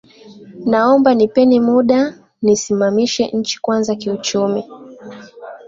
Naomba nipeni muda nisimamishe nchi kwanza kiuchumi